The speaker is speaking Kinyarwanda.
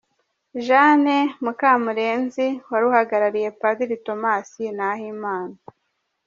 Jeanne Mukamurenzi, wari uhagarariye Padiri Thomas Nahimana.